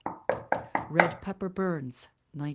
Red pepper Burns, 1910.